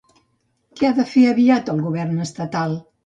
Què ha de fer aviat el Govern estatal?